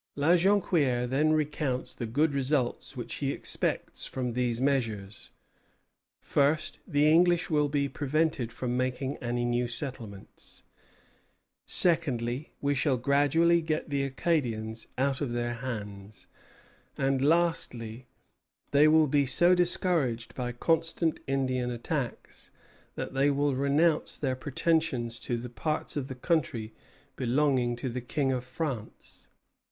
La Jonquière then recounts the good results which he expects from these measures: first, the English will be prevented from making any new settlements; secondly, we shall gradually get the Acadians out of their hands; and lastly, they will be so discouraged by constant Indian attacks that they will renounce their pretensions to the parts of the country belonging to the King of France.